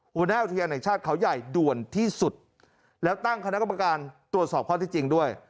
หัวหน้าอุทยานแห่งชาติเขาใหญ่ด่วนที่สุดแล้วตั้งคณะกรรมการตรวจสอบข้อที่จริงด้วย